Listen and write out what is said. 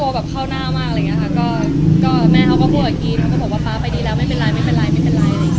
ก็แบบเข้าหน้ามากแม่เขาก็พูดกับกี๊แล้วก็บอกว่าป๊าไปดีแล้วไม่เป็นไรไม่เป็นไรไม่เป็นไร